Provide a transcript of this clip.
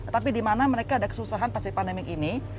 tapi dimana mereka ada kesusahan pas pandemi ini